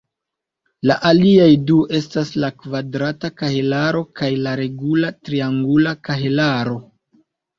La aliaj du estas la kvadrata kahelaro kaj la regula triangula kahelaro.